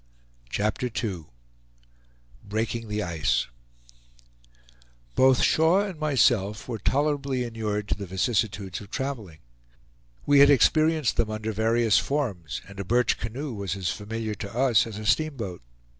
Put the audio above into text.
CHAPTER II BREAKING THE ICE Both Shaw and myself were tolerably inured to the vicissitudes of traveling. We had experienced them under various forms, and a birch canoe was as familiar to us as a steamboat.